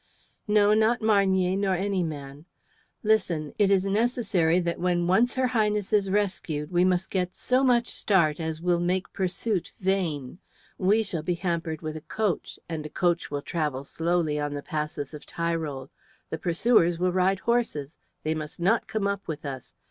"No, not Marnier, nor any man. Listen. It is necessary that when once her Highness is rescued we must get so much start as will make pursuit vain. We shall be hampered with a coach, and a coach will travel slowly on the passes of Tyrol. The pursuers will ride horses; they must not come up with us.